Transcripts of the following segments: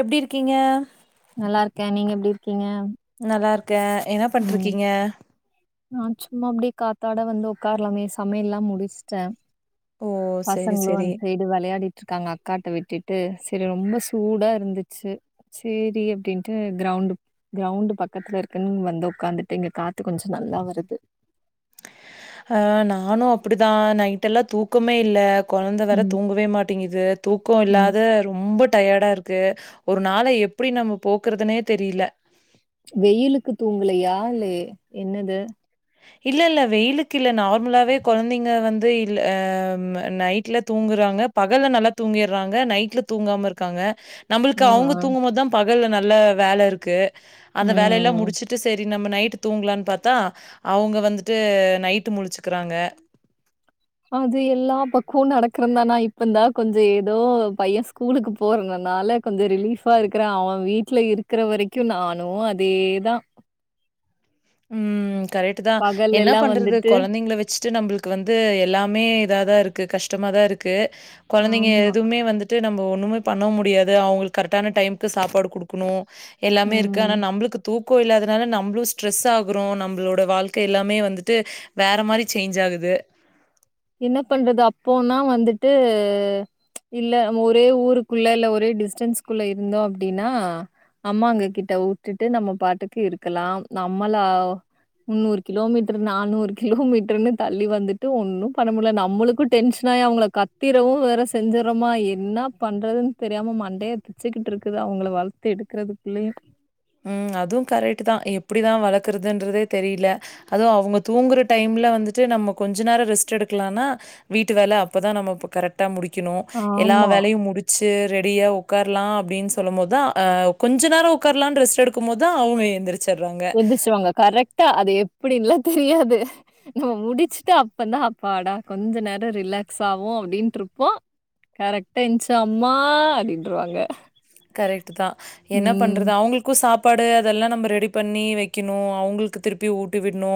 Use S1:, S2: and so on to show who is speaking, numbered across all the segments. S1: எப்டி இருக்கிங்க
S2: நல்லாருக்கே நீங்க எப்டி இருக்கிங்க
S1: நல்லாருக்கே என்ன பண்ட்ருக்கிங்க
S2: நா சும்மா அப்டியே காத்தாட வந்து உக்காரலாமே சமையல்லா முடிச்ட்ட
S1: ஓ! சரி,
S2: பசங்களு
S1: சரி.
S2: அந்த சைடு வெளையாடிட்ருக்காங்க அக்காட்ட விட்டுட்டு செரி ரொம்ப சூடா இருந்துச்சு சேரி அப்டின்ட்டு கிரௌண்ட் கிரௌண்டு பக்கத்துல இருக்குன்னு இங்க வந் து உக்காந்துட்டு இங்க காத்து கொஞ்ச நல்லா வருது
S1: அ நானு அப்படிதா நைட் எல்லா தூக்கமே இல்ல கொழந்த வேற
S2: ம்,
S1: தூங்கவே மாட்டிங்குது தூக்க
S2: ம்.
S1: இல்லாத ரொம்ப டயடா இருக் க்கு ஒரு நாள எப்டி நம்ம போக்கறதுன்னே தெரில
S2: வெயிலுக்கு தூங்கலயா இல்ல என்னது
S1: இல்ல இல்ல வெயிலுக்கு இல்ல நார்மலாவே கொழந்தைங்க வந்து இல்ல அ நைட்ல தூங்குறாங்க பகல்ல நல்லா தூங்கிற்றாங்க நைட்ல தூங்காம இருக்காங்க நம்பள்க்கு
S2: ம்,
S1: அவுங்க
S2: ம்.
S1: தூங்கும்போதுதா பகல்ல நல்ல வேல இருக்கு அந்த வேலையெல்லா
S2: ம்.
S1: முடிச்சுட் சரி நம்ம நைட்டு தூங்லான் பாத்தா அவுங்க வந்துட்டு நைட்டு முழிச்சுக்குறாங்க
S2: அது எல்லாப் பக்கோ நடக்றந்தானா இப்பந்தா கொஞ்சொ ஏதோ பைய ஸ்கூலுக்கு போறதுனால கொஞ்சொ ரிலீஃபா இருக்குறே அவ வீட்ல இருக்குற வரைக்கு நானு அதேதா
S1: ம் கரெக்ட்டுதா
S2: பகல்
S1: என்னா
S2: எல்லாம்
S1: பண்றது
S2: வந்துட்டு
S1: கொழந்தைங்ள வெச்சுட்டு நம்ப்ளுக் கு வந்து எல்லாமே இதாதா இருக்கு கஷ்டமாதா இருக்கு கொழந்தைங்க
S2: ஆமா.
S1: எதுமே வந்துட் டு நம்ம ஒண்ணுமே பண்ண முடியாது அவுங்களுக்கு கரெக்ட்டான டைமுக்கு சாப்பாடு குடுக்கணு எல்லாமே இருக்கு
S2: ம்.
S1: ஆனா நம்ளுக்கு தூக்ககோ இல்லாதனால நம்ளு ஸ்ட்ரெஸ் ஆகுறோ நம்ளோட வாழ்க்க எல்லாமே வந்துட்டு வேற மாரி சேஞ்ச் ஆகுது
S2: என்ன பண்றது அப்போன்னா வந்துட்டு இல்ல ஒரே ஊருக்குள்ள இல்ல ஒரே டிஸ்டன்ஸ்க்குள்ள இருந்தோ அப்டின்னா அம்மாங்க கிட்ட உட்டுட்டு நம்ம பாட்டுக்கு இருக்கலா நம்மலா முன்னூறு கிலோ மீட்ரு நானூறு கிலோ மீட்டருன்னு தள்ளி வந்துட்டு ஒண்ணு பண்ண முட்ல நம்ளுக்கு டென்ஷனாயி அவுங்ள கத்திறவு வேற செஞ்சற்றோமா என்னா பண்றதுன்னு தெரியாம மண்டைய பிசுக்கிட்ருக்குது அவுங்ள வளத்து எடுக்றதுக்குள்ளயு
S1: ம் அது கரெக்ட்டுதா எப்டிதா வளக்குறதுன்றதே தெரில அது அவுங்க தூங்ர டைம்ல வந்துட்டு நம்ம கொஞ்ச நேரோ ரெஸ்ட் எடுக்லான்னா வீட்டு வேல அப்பதா நம்ம கரெக்ட்டா முடிக்குணு எல்லா
S2: ஆமா
S1: வேலையு முடிச் ச்சு ரெடியா உக்கார்லா அப்டின் சொல்லும் போதா அ கொஞ்ச நேரோ உக்கார் லா ரெஸ்ட் எடுக்கும் போதுதா அவுங்க எந்திரிச்
S2: எந்திச்சுருவாங்க கரெக்ட்டா அது எப்டின்லா தெரியாது நம்ம முடிச்ட்டு அப்பதா அப்பாடா கொஞ்ச நேரோ ரிலாக்ஸ் ஆவோ அப்டின்ட்ருப்போ கரெக்ட்டா என்ச்சு அம்மா அப்டின்றுவாங்க
S1: கரெக்ட்டுதா என்ன பண்றது அவுங்ளு க்கு சாப்பாடு அதெல்லா நம்ம ரெடி பண்ணி வைக்கணூ அவுங்களுக்கு திருப்பி ஊட்டி விட்ணூ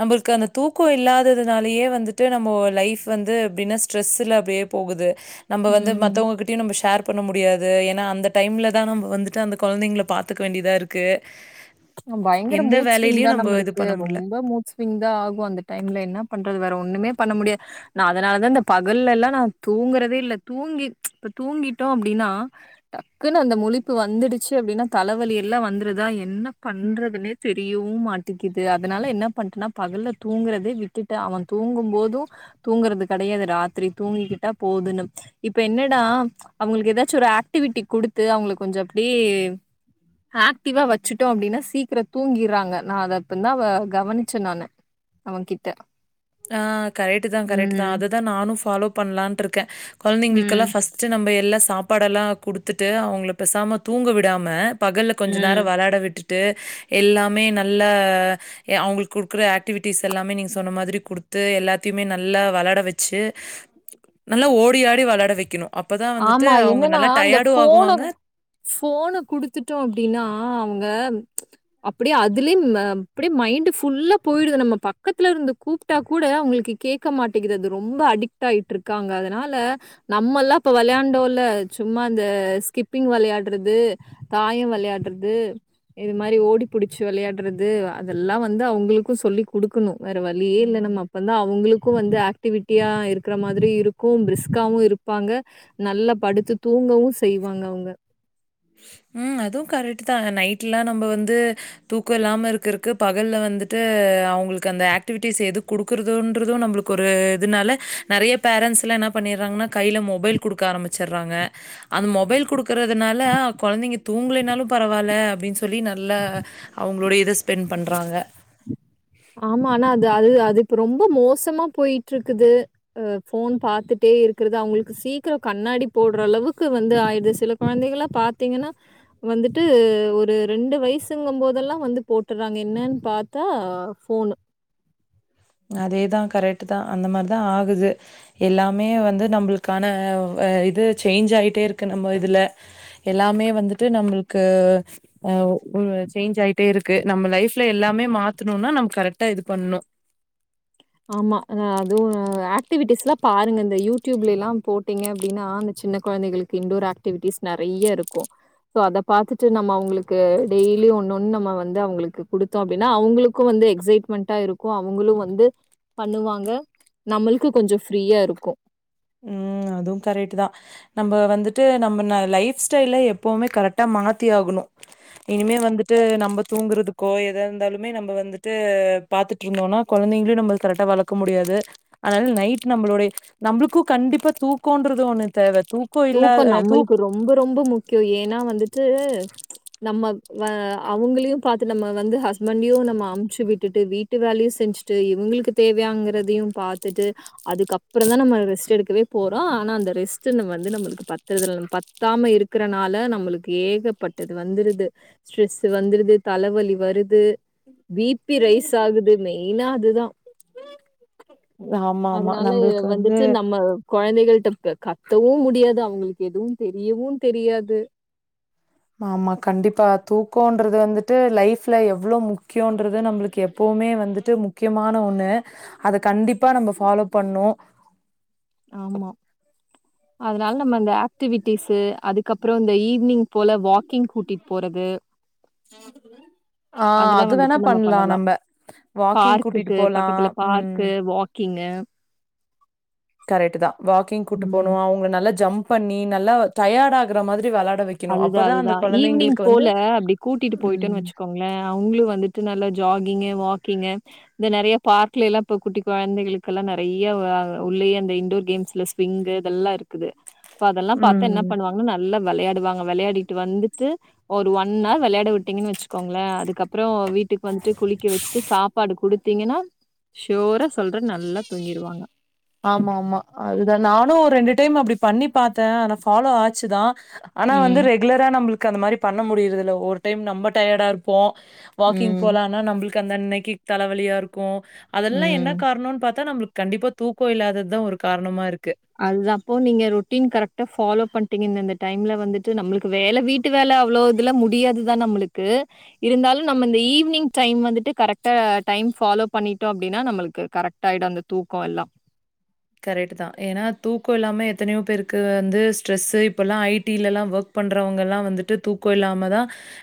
S1: நம்ழள்க்கு அந்த தூக்கோ இல்லாததுனாலயே வந்துட்டு நம்ம லைஃப் வந்து எப்டின்னா ஸ்ட்ரெஸ்ல அப்டியே போகுது நம்ப வந்து
S2: ம்.
S1: மத்தவங்ககிட்டயு நம்ம ஷேர் பண்ண முடியாது ஏன்னா அந்த டைம்லதா நம்ம வந்துட்டு அந்த கொழந்தைங்ள பாத்துக்க வேண்டியதா இருக்கு
S2: பயங்ர
S1: எந்த
S2: மூட்ஸ்விங்தா
S1: வேலையிலயும் நம்ம இது
S2: நம்பளுக்கு
S1: பண்ண முடியல.
S2: ரொம்ப மூட் மூட்ஸ்விங்தா ஆகு அந்த டைம்ல என்ன பண்றது வேற ஒண்ணுமே பண்ண முடியா நா அதனாலதா இந்த பகல்லல்லா நா தூங்றதே இல்ல தூங்கி இப்ப தூங்கிட்டோ அப்டின்னா டக்குன்னு அந்த முழிப்பு வந்துடுச்சு அப்டின்னா தலைவலி எல்லா வந்ருதா என்னப் பண்றதுனே தெரியவு மாட்டிக்குது அதனால என்ன பண்றனா பகல்ல தூங்குறதே விட் டுட்டே அவ தூங்கும் போது தூங்குறது கெடையாது ராத்திரி தூங்கிக்கிட்டா போதுன்னு இப்ப என்னடா அவுங்களுக்கு ஏதாச்சு ஒரு ஆக்டிவிட்டி குடுத்து அவுங்களுக்கு கொஞ்சோ அப்டியே ஆக்டீவா வச்சு விட்டோ அப்டின்னா சீக்ரோ தூங்கிட்றாங்க நா அத அப்ப தா கவனிச்ச நானு அவே கிட்ட
S1: ஆ கரெட்டு தா கரெட்டு தா அதுதா நானு ஃபாலோ பண்லான்ட்ருக்கே கொழ்ந்தைங்களுக்குக்கல்லா
S2: ம்.
S1: ஃபஸ் ச்ச நம்ப எல்லா சாப்பாடல்லா குடுத்துட்டு அவ்ங்ள பேசாம தூங்க விடாம பகல்ல கொஞ்சு நேரா
S2: ம்.
S1: வெளாட விட்ரு டு எல்லாமே நல்ல எ அவ்ங்ளுக் குடுக்ற ஆக்டிவிட்டிஸ் எல்லாமே நீங் சொன்ன மாதிரி குடுத்து எல்லாத்யுமே நல்லா வெளாட வெச்சு நல்லா ஓடி ஆடி வெளாட வெக்கணு அப்பதா வந்துட்டு
S2: ஆமா.
S1: அவ்ங்க
S2: என்னன்னா,
S1: நல்லா
S2: இந்த
S1: டயடு
S2: ஃபோன
S1: ஆகுவாங்க
S2: ஃபோன குடுத்துட்டோ அப்டின்னா அவ்ங்கம் அப்படியே அதுல்லேம்ம அப்படே மைண்டு ஃபுல்லா போய்டுது நம்ம பக்கத்லருந்து கூப் ட்டாக்கூட அவ்ங்கள்க்கு கேக்க மாட்டேங்குது அது ரொம்ப அடிக்ட் ஆய்ட்ருக்காங்க அதனால நம்மல்லா இப்போ வெளையாண்டோல சும்மா இந்த ஸ்கிப்பீங் வெளையாட்றது தாயோ வெளையாட்றது இது மாரி ஓடி புடிச்சு வெளையாட்றது அதெல்லா அவுங்ளுக்கு வந்து சொல்லி குடுக்கணு வேற வழியே இல்லே
S1: ம்.
S2: நம்ம வந்து அவ்ங்ளுக்கு வந்து ஆக்டிவிட்டியா இருக்ற மாதிரி இருக்கு ப்ரிஸ்காவு இருப்பாங்க நல்லா படுத்து தூங்கவு செய்வாங் அவ்ங்க
S1: ம் அதூ கரட்டு தா நைட்ல்லா நம்ப வந்து தூக்கோ இல்லாம இருக்குற்க்கு பகல்லல வந்துட்டு அவ்ங்கள்க் அந்த ஆக்டிவிட்டிஸ் எது குடு க்ருறதுன்றுது நம்ளுக் ஒரு இதுனால நறைய பேரண்ஸுல்லா என்ன பண்ணிறாங்னா கைல மொபைல் குடுக்க ஆரம்பிச்சுறாங்க அந் மொபைல் குடுக்றதுனால் ல கொழ்ந்தைங்க தூங்லேனாலு பரவால்ல அப்டின் சொல்லி நல்ல அவ்ங்ளுடைய இதஸ் பென் பண்றாங்க
S2: ஆமா ஆனா அது அது அது இப் ரொம்ப மோசமா போய்ட்ருக்குது உ ஃபோன் பாத்துட்டே இருக்றது அவ்ங்ளுக்கு சீக்ரோ கண்ணாடி போட்றளவுக்கு வந்து ஆய்து சில கொழ்ந்தைகளா பாத்தீங்கன்னா வந்துட்டு ஒரு ரெண்டு வய்சுங்க போதெல்லா வந்து போட்டுறாங் என்னன் பாத் தா ஃபோனு
S1: அதேதா கரட்டுதா அந்த மார்தா ஆகுது எல்லாமே வந்து நம்புள்க்கானவ் அ இது சேஞ்ச் ஆய்ட்டே இருக்கு நம்மு இதுல எல்லாமே வந்துட்டு நம்முள்க்கு அவ் ஒரு சேஞ்ச் ஆய்ட்டே இருக்கு நம்ம லைஃப்ல எல்லாமே மாத்துணுனா நம் கரக்ட்டா இது பண்ணு
S2: ஆமா அ அதுந ஆக்டிவிட்டிஸ்லா பாருங்க இந்த யூட்யூப்லேய்லா போட் ட்டிங்க அப்டின்னா அந்த சின்ன கொழ்ந்தைகளுக்கு இன்டோர் ஆக்டிவிட்டிஸ் நறைய இருக்கு சோ அத பாத்துட்டு நம் அவ்ங்ளுக்கு டெய்லி ஒன்னொண் நம்ம வந்து அவ்ங்ளுக்கு குடுத் த்தோ அப்டின்னா அவ்ங்ளுக்கு வந்து எக்ஸைட்மெண்ட்டா இருக்கு அவ்ங்குளு வந்து பண்ணுவாங்க நம்மள்க்கு கொஞ்சு ஃப்ரீயா இருக்கு
S1: ம் அது கரெட்டு தா நம்ப வந்துட்டு நம்ம ந லைஃப் ஸ்டைல எப்போமே கரக்ட்டா மாத்தி ஆகணு இனிமே வந்துட்டு நம்ம தூங்குறதுக்கோ எதா இருந்தாலுமே நம்மங வந்துட்டு பாத்துட்ருந்தோனா கொழந்தைங்ளு நம்மல் கரக்ட்டா வளக்க முடியாது ஆனால நைட் நம்ளுடைய் நம்ளுக்கு கண்டிப்பா தூக்கோன்றொது ஒண்ணு தேவ தூக்
S2: தூக்கோ நம்முள்க்கு ரொம்ப ரொம்ப முக்யு ஏனா வந்துட்டு நம்மக் வ அவங்களையு பாத்து நம்ம வந்து ஹஸ்பண்ட்யு நம்ம அம்ச்சு விட்டுட்டு வீட் ட்டு வேலையு செஞ்சுட்டு இவ்ங்குள்க்கு தேவையாங்கறதயு பாத்துட்டு அதுக்கப்ற தா நம்ம ரெஸ்ட்டு எடுக்கவே போறோ ஆனா அந்த ரெஸ்ட்டு நம்ம அந்து நம்ளுக்கு பத்தறதுல்லும் பத்தாம இருக்றனால நம்மளுக்கு ஏகப்பட்டது வந்துருது ஸ்ட்ரெஸ் வந்துருது தலவலி வருது பிப்பி ரைஸ் ஆகுது மெய்னா அதுதா
S1: ஆமா ஆமா
S2: அதனாலய்
S1: நம்மளுக்கு வந்து
S2: வந்துட்டு நம்மவ் குழந்தைகள்ட கத்தவு முடியாது அவங்களுக்கு எதுவு தெரியவு தெரியாது
S1: ஆமா கண்டிப்பா தூக்கோன்றது வந்துட்டு லைஃப்ல எவ்ளோ முக்கியோன்றது நம்ளுக் எப்பவுமே வந்துட்டு முக்கியமான ஒன்னு அத கண்டிப்பா நம்ம ஃபாலோ பண்ணு
S2: ஆமா அதனால நம்ம அந்த ஆக்டிவிட்டிஸ்சு அதுக்கப் அப்ற இந்த ஈவி்னிங் போல வாக்கிங் கூட்டிட் போறது
S1: [unintelligible] ஆ
S2: அதெல்லாம்
S1: அது வேணா
S2: வந்துட்டு நம்ம
S1: பண்லா
S2: பண்ணலாம்.
S1: நம்ம வாக்கிங் கூட்டிட் போலா ம்
S2: க்கீங்க
S1: கரக்ட்தா வாக்கிங் கூட்டு போனு
S2: ம்.
S1: அவங்க நல்லா ஜம்ப் பண்ணி நல்லா டயர்ட் ஆகுற மாதிரி வெளாட வைக்
S2: அதுதா அதுதா ஈவ்னிங் போல அப்டி கூட்டிட் போய்ட்டன்
S1: ம்.
S2: வச்சுக் கோங்ளே அவங்களு வந்துட்டு நல்லா ஜாகிங்கு வாக்கிங்கு இந்த நெறய பார்க்லல்லா இப்ப குட்டி குழந்தைகளுக்கெல்லா நிறைய உள்ளயே அந்த இன்டோர் கேம்ஸ் லிஸ் பிங்கு அதெல்லா இருக்குது பா அதெல்லா பாத்தா
S1: ம்.
S2: என்னா பண்ணுவாங்கு நல்லா வெள்யாடுவா விளையாடிட் வந்துட்டு ஒரு ஒன்னார் விளையாட விட்டீங்கன் வச்சுக்கோங்களே அதுக்கப்பறோ வீட்டுக்கு வந்துட்டு குளிக்க வச்சுட்டு சாப் ப்பாடு குடுத்தீங்கன்னா ஷோரா சொல்ற நல்லா தூங்கிடுவாங்க
S1: ஆமா ஆமா அதுதா நானு ஒரு ரெண்டு டைம் அப்டி பண்ணி பாத்த ஆனா ஃபாலோ ஆச்சுதா ஆனா வந்து
S2: ம்
S1: ரெகுலரா நம்மளுக்கு அந்த மாரி பண்ண முடியுறதுல்ல ஒரு டைம் நம்ம டயர்டா இருப்போ வாக்கிங்
S2: ம்
S1: போலானா நம்மளுக்கு அந்த அன்னைக்கு தலைவலியா இருக்கு அதெல்லா என்ன
S2: ம்
S1: காரணோன் பாத்தா நம்ப ள்க் கண்டிப்பா தூக்க இல்லாததுதா ஒரு காரணமா இருக்கு
S2: அதுதாப்போ நீங்க ரொட்டீன் கரெக்டா ஃபாலோ பண்ணிட்டீங்க இந்த டைம்ல வந்துட்டு நம்மளுக்கு வேல வீட் ட்டு வேலை அவ்ளோ இதுல முடியாதுதா நம்மளுக்கு இருந்தாலு நம்ம இந்த ஈவினிங் டைம் வந்துட்டு கரெக்டா டைம் ஃபாலோ பண்ணிட்டோ அப்டின்னா நம்மளுக்கு கரெக்ட் ஆய்டு அந்த தூக்க எல்லா
S1: கரெட்தா ஏன்னா தூக்க இல்லாம எத்தனையோ பேருக்கு வந்து ஸ்ட்ரெஸ் இப்போல்லா ஐடிலல்லா ஒர்க் பண்றவங்களா வந்துட்டு தூக்க இல்லாமதா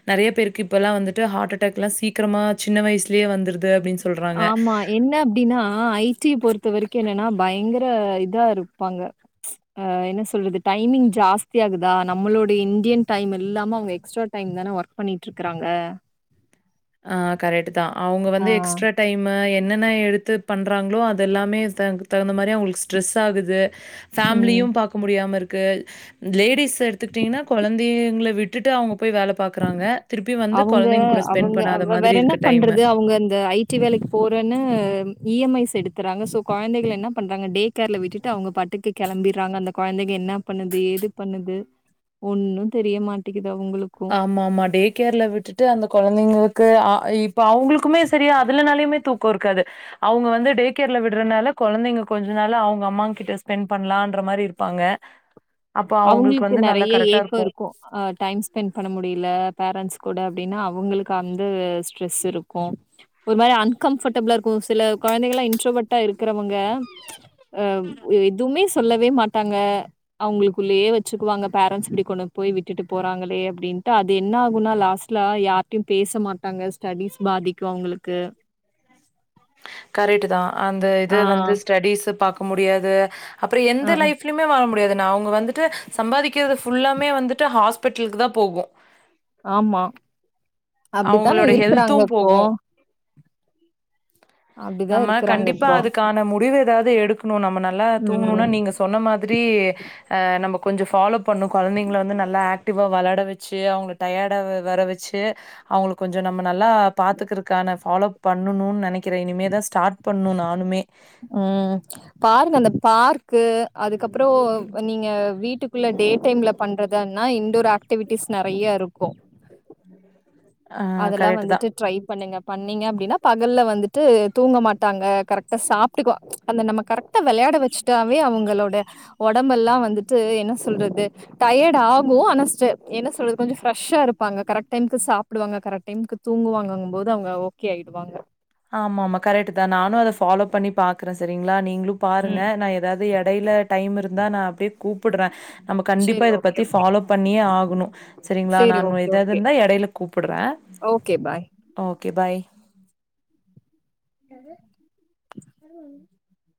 S1: நெறய பேருக்கு இப்பல்லா வந்துட்டு ஹார்ட் அட்டாக்லா சீக்ரமா சின்ன வயசுலயே வந்தருது அப்டின் சொ
S2: ஆமா என்ன அப்டின்னா ஐடி பொறுத்த வரைக்கு என்னனா பயங்கர இதா இருப்பாங்க
S1: [inaudible]
S2: அ என்ன சொல்றது டைமிங் ஜாஸ்தியாகுதா நம்மளோடைய இந்தியன் டைம் இல்லாம அவங்க எக்ஸ்ட்ரா டைம்தான ஒர்க் பண்ணிட்ருக்குறாங்க
S1: ஆ கரெக்ட் தா அவங்க
S2: ஆ.
S1: வந்து எக்ஸ்ட்ரா டைமு என்னென்ன எடுத்து பண்றாங்களோ அது எல்லாமே த தகுந்த மாரி அவங்களுக்கு ஸ்ட்ரெஸ் ஆகுது
S2: ம்.
S1: ஃபேமிலியு பாக்க முடியாம இருக்கு லேடீஸ் எடுத்துக்கிட்டீங்கனா கொழந்தைங்கள விட்டுட்டு அவங்க போய் வேல பாக்குறாங்க திருப்பி வந்து கொழந்தைங்க கூட ஸ்பெண்ட்
S2: நீங்க அந்த
S1: பண்ணாத
S2: மாரி
S1: மாதிரி
S2: வேற என்ன
S1: இருக்கு டைமு.
S2: பண்றது அவங்க அந்த ஐடி வேலைக்கு போறேன்னு இஎம்ஐஸ் எடுக்குறாங்க ஸோ கொழந்தைகள என்ன பண்றாங்க டே கேர்ல விட்டுட்டு அவங்க பாட்டுக்கு கிளம்பிர்றாங்க அந்த கொழந்தைங்க என்னா பண்ணுது ஏது பண்ணுது ஒன்னு தெரிய மாட்டிக்குது அவங்களுக்கு
S1: ஆமா ஆமா டே கேர்ல விட்டுட்டு அந்த கொழந்தைங்களுக்கு இப்ப அவங்களுக்குமே சரியா அதுலனாலயுமே தூக் க்கோ இருக்காது அவுங்க வந்து டே கேர்ல விட்றனால கொழந்தைங்க கொஞ்சோ நாளு அவுங்க அம்மாங்கிட்ட ஸ்பெண்ட் பண்ணலான்ற மாரி இருப்பாங்க அப்ப அவுங்களுக்கு
S2: அவங்களுக்கு
S1: வந்து நல்லா
S2: நெறைய ஏக்கம்
S1: கரெக்டாருக்கு
S2: இருக்கும். அ டைம் ஸ்பெண்ட் பண்ண முடில பேரண்ட்ஸ் கூட அப்டின் அவங்களுக்கு அந்த ஸ்ட்ரெஸ் இருக்கு ஒரு மாரி அன்கம்ஃபடபுளா இருக்கு சில கொழந்தைங்கள்லா இன்ட்ரோவெட்டா இருக்குறவங்க அ எதுமே சொல்லவே மாட்டாங்க அவுங்களுக் குள்ளேயே வச்சிக்குவாங்க பேரண்ட்ஸ் இப்டி கொண்டு போய் விட்டுட்டுப் போறாங்களே அப்டின்ட்டு அது என்னாகுன்னா லாஸ்ட்லா யா ட்டியு பேச மாட்டாங்க ஸ்டடீஸ் பாதிக்கு அவுங்களுக்கு
S1: கரேட்டுதா அந்த இது
S2: ஆ.
S1: வந்து ஸ்டடீஸு பாக்க முடியாது அப்றொ எந்த
S2: ஆ,
S1: லைஃப் லைமே வாழ முடியாது நா அவுங்க வந்துட்டு சம்பாதிக்கிறது ஃபுல்லாமே வந்துட்டு ஹாஸ்பிட்ல்க்குதா போகு
S2: ஆமா அப்டித்தான
S1: அவங்களோட
S2: இருக்குறாங்க
S1: ஹெல்த்தும்
S2: இப்போ
S1: போகும்.
S2: அப்படிதான்
S1: நம்ம
S2: இருக்கிறாங்க
S1: கண்டிப்பா
S2: இப்போ.
S1: அதுக்கான முடிவு ஏதாவ்து எடுக்கணு நம்ம நல்லா
S2: ம்.
S1: தூங்கணுன்னா நீங்க சொன்ன மாதிரி ஆ நம்ம கொஞ்சொ ஃபாலோ பண்ணு கொழந்தைங்கள வந்து நல்லா ஆக்டிவா வெளாட வெச்சி அவுங்க டயடாவ வர வெச்சு அவ்ங்களுக் கொஞ்சொ நம்ம நல்லா பாத்துக்குறக்கான ஃபாலோ பண்ணணூன் நெனக்கிற இனிமே தா ஸ்டாட் பண்ணு நானுமே
S2: ம் பாருங்க அந்த பார்க்கு அதுக்கப்றொ நீங்க வீட்டுக்குள்ள டே டைம்ல பண்றதான்னா இன்டோர் ஆக்டிவிட்டீஸ் நெறைய இருக்கு
S1: ஆ
S2: அதல்லா
S1: கரெக்ட்டு தான்.
S2: வந்துட்டு ட்ரை பண்ணுங்க பண்ணீங்க அப்டின்னா பகல்ல வந்துட்டு தூங்க மாட்டாங்க கரெக்ட்டா சாப்ட் டுக்வா அந்த நம்ம கரெக்ட்டா வெளையாட வச்சுட்டாவே அவுங்களோட ஒடம்பல்லா வந்துட்டு என்ன சொல்றது டயட் ஆகு ஆனா ஸ்ட என்ன சொல்றது கொஞ்சொ ஃப்ரஷ்ஷா இருப்பாங்க கரெக்ட் டைம்க்கு சாப் ப்டுவாங்க கரக்ட் டைம்க்கு தூங்குவாங்கங்கும் போது அவுங்க ஓகே ஆய்டுவாங்க
S1: ஆமா ஆமா கரெக்ட்டுதா நானு அத ஃபாலோ பண்ணிப் பாக்குற சரிங்ளா நீ ங்ளு பாருங்க
S2: ம்
S1: நா ஏதாவ்து எடைல டைம் இருந்தா நா அப்டியே கூப் புட்ற நம்ம கண்டிப்பா
S2: சரி
S1: இதப்
S2: ஓகே
S1: பத்தி
S2: ஓகே
S1: ஃபாலோ பண்ணியே ஆகுணு சரிங்ளா
S2: சரி
S1: நான் ஒ
S2: ஓகே
S1: ஏதாவ்து
S2: ஓகே
S1: இருந்தா எடைல கூப்புட்ற
S2: ஓகே பாய்
S1: ஓகே பாய் [unintelligible] ம்